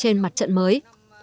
trên mặt trận mới